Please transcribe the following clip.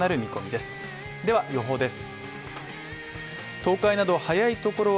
では、予報です。